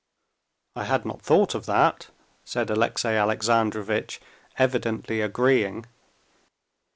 "I had not thought of that," said Alexey Alexandrovitch, evidently agreeing.